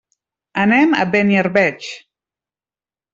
Anem a Beniarbeig.